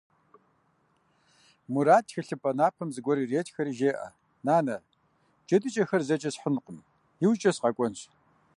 Мурат, тхылъымпӀэ напэм зыгуэр иретхэри, жеӀэ: - Нанэ, джэдыкӀэхэр зэкӀэ схьынкъым, иужькӀэ сыкъэкӀуэнщ.